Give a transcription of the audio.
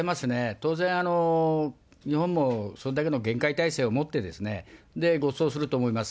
当然、日本もそれだけの厳戒態勢をもって、護送すると思います。